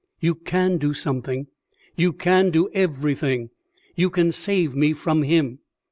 "You can do something; you can do everything. You can save me from him."